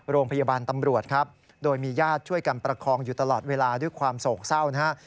โรงพยาบาลตำรวจครับโดยมีญาติช่วยกันประคองอยู่ตลอดเวลาด้วยความโศกเศร้านะฮะ